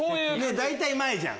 大体前じゃん。